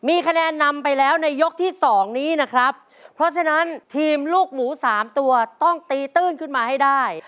มีคะแนนนำไปแล้วในยกที่สองนี้นะครับเพราะฉะนั้นทีมลูกหมูสามตัวต้องตีตื้นขึ้นมาให้ได้